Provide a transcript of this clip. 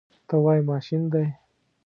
ته وایې ماشین دی.